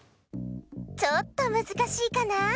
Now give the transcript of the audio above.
ちょっとむずかしいかな？